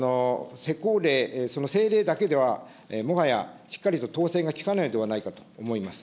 施行令、その政令だけではもはやしっかりと統制が利かないのではないかと思います。